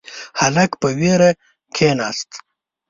هلک په وېره کښیناست.